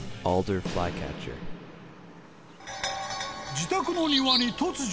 ［自宅の庭に突如クマが］